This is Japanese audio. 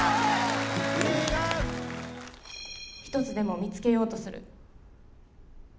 「１つでも見つけようとする」